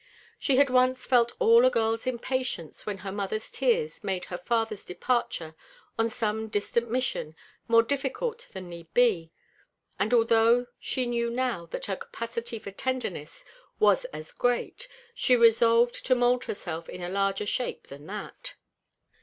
She had once felt all a girl's impatience when her mother's tears made her father's departure on some distant mission more difficult than need be, and although she knew now that her capacity for tenderness was as great, she resolved to mould herself in a larger shape than that.